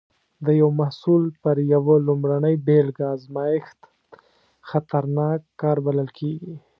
د یو محصول پر یوه لومړنۍ بېلګه ازمېښت خطرناک کار بلل کېږي.